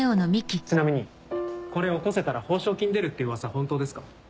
ちなみにこれ起こせたら報奨金出るってうわさ本当ですか？